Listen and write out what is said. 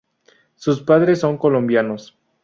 Sus padres son colombianos.